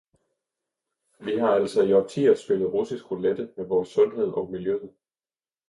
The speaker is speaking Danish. Vi har altså i årtier spillet russisk roulette med vores sundhed og miljøet.